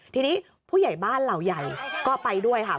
ทีนี้ผู้ใหญ่บ้านเหล่าใหญ่ก็ไปด้วยค่ะ